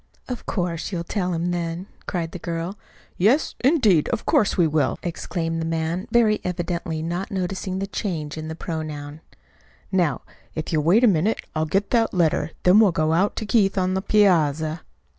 "Of course, you'll tell him then," cried the girl. "Yes, indeed, of course we will!" exclaimed the man, very evidently not noticing the change in the pronoun. "Now, if you'll wait a minute I'll get that letter, then we'll go out to Keith on the piazza."